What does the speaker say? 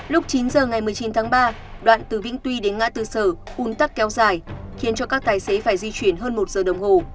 lúc chín giờ ngày một mươi chín tháng ba đoạn từ vĩnh tuy đến ngã tư sở un tắc kéo dài khiến cho các tài xế phải di chuyển hơn một giờ đồng hồ